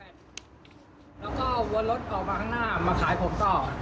แล้วก็วันรถออกมาข้างหน้าเขาแบตแล้วก็วันรถออกมาข้างหน้ามาขายผมต่อ